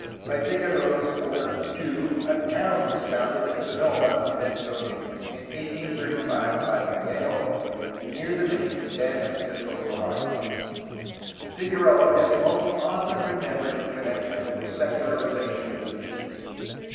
By Figueroa's order, too, a town was founded at Sonoma (then so named) in 1835 by Vallejo, near the mission San Francisco Solano. Figueroa is most often remembered in connection with the secularization of the missions.